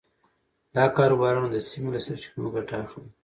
دا کاروبارونه د سیمې له سرچینو ګټه اخلي.